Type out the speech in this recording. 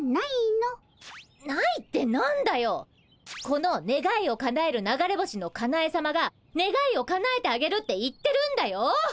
このねがいをかなえる流れ星のかなえさまがねがいをかなえてあげるって言ってるんだよ？